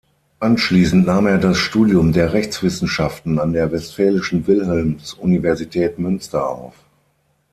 Anschließend nahm er das Studium der Rechtswissenschaften an der Westfälischen Wilhelms-Universität Münster auf.